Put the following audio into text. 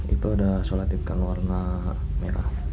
itu ada solatip kan warna merah